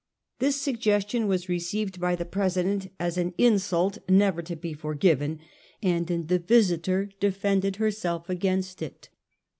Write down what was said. This suggestion was received by the president as an insult never to be forgiven, and in the Visiter defend ed herself against it.